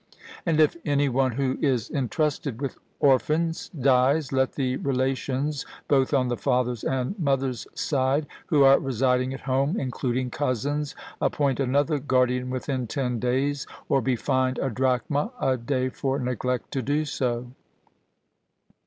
And if any one who is entrusted with orphans dies, let the relations both on the father's and mother's side, who are residing at home, including cousins, appoint another guardian within ten days, or be fined a drachma a day for neglect to do so.